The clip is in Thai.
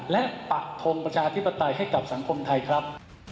และปักทงประชาธิปไตยให้กับสังคมไทยครับ